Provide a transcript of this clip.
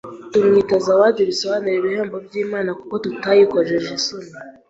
tumwita ZAWADI bisobanura: “ Ibihembo by’Imana” kuko tutayikojeje isoni,